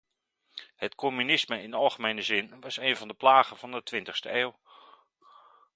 Het communisme in algemene zin was een van de plagen van de twintigste eeuw.